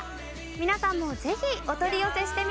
皆さんもぜひお取り寄せしてみてください。